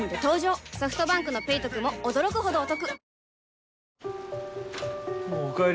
ソフトバンクの「ペイトク」も驚くほどおトク